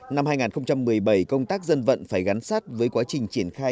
năm hai nghìn một mươi bảy công tác dân vận phải gắn sát với quá trình triển khai